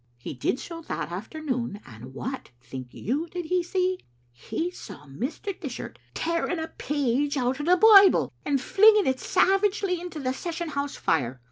He did so that afternoon, and what, think you, did he see? He saw Mr. Dishart tearing a page out o' the Bible, and flinging it savagely into the session house fire.